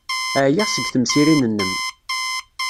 Ɛyiɣ seg temsirin-nnem.